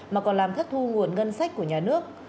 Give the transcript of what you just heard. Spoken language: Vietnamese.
mà còn làm thất thu nguồn ngân sách của nhà nước